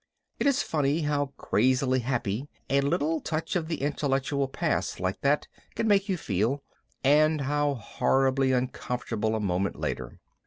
It is funny how crazily happy a little touch of the intellectual past like that can make you feel and how horribly uncomfortable a moment later.